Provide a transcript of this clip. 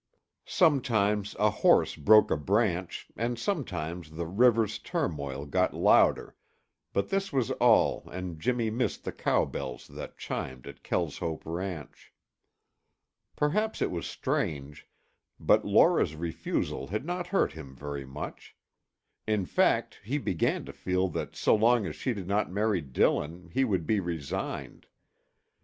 Sometimes a horse broke a branch and sometimes the river's turmoil got louder, but this was all and Jimmy missed the cow bells that chimed at Kelshope ranch. Perhaps it was strange, but Laura's refusal had not hurt him very much. In fact, he began to feel that so long as she did not marry Dillon he would be resigned.